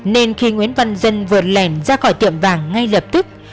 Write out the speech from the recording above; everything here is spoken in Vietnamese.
nên khi nguyễn văn dân vượt lẻn ra khỏi tiệm vàng ngay lập tức